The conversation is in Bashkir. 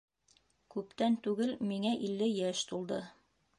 Күптән түгел миңә илле йәш тулды.